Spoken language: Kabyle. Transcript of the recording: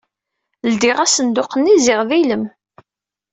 Ldiɣ asenduq-nni. Ziɣ d ilem.